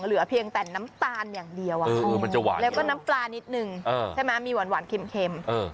เหลือเพียงแต่น้ำตาลอย่างเดียวแล้วก็น้ำปลานิดนึงมีหวานเข็ม